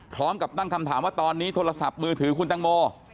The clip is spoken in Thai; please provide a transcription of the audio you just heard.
พร้อมกับตั้งคำถามว่าตอนนี้โทรศัพท์มือถือคุณตังโม